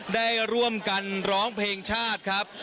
ได้ร่วมกันร้องเพลงชาติครับ